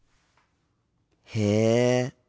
へえ。